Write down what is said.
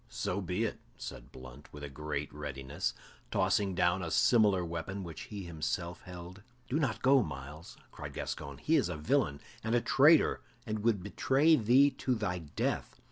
"So be it," said Blunt, with great readiness, tossing down a similar weapon which he himself held. "Do not go, Myles," cried Gascoyne, "he is a villain and a traitor, and would betray thee to thy death.